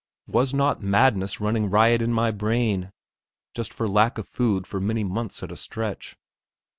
Was not madness running riot in my brain, just for lack of food for many months at a stretch?